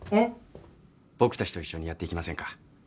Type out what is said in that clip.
僕たちと一緒にやっていきませんか？